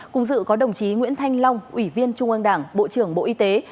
cùng dự có đồng chí nguyễn thanh long ủy viên trung ương đảng bộ trưởng bộ y tế